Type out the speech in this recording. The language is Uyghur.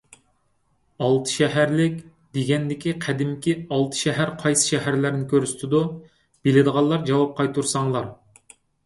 «ئالتەشەھەرلىك» دېگەندىكى قەدىمكى ئالتە شەھەر قايسى شەھەرلەرنى كۆرسىتىدۇ؟ بىلىدىغانلار جاۋاب قايتۇرساڭلار.